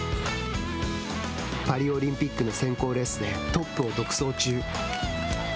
パリオリンピックの選考レースでトップを独走中。